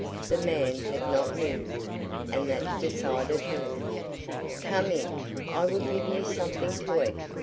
The man had not moved; and that decided her. "Come in. I will give you something to eat.